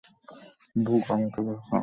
ব্যুক, আমাকে বাঁচাও!